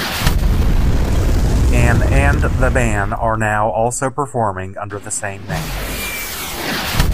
An and the band are now also performing under the same name.